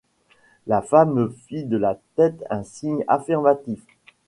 La femme fit de la tête un signe affirmatif.